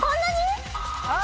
あ！